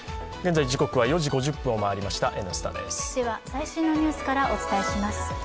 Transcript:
最新のニュースからお伝えします。